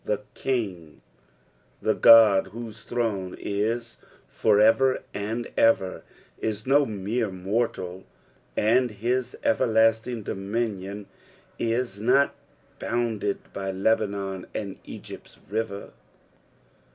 " The King," the Qod whose throne is for ever and ever, is no Toere mor1<U and his eueriiMKng dominion is not boiaided by iAonon and Brypt's riuer.